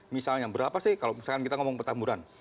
misalnya berapa sih kalau misalkan kita ngomong petamburan